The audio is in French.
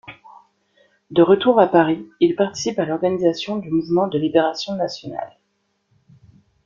De retour à Paris, il participe à l'organisation du Mouvement de Libération Nationale.